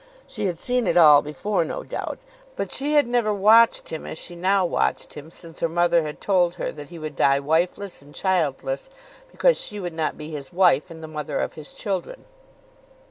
She had seen it all before, no doubt; but she had never watched him as she now watched him since her mother had told her that he would die wifeless and childless because she would not be his wife and the mother of his children.